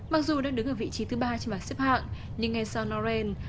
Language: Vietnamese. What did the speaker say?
mặc dù đang đứng ở vị trí thứ ba trên bản xếp hạng nhưng ngay sau norren